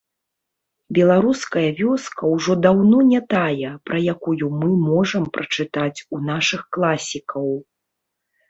Беларуская вёска ўжо даўно не тая, пра якую мы можам прачытаць у нашых класікаў.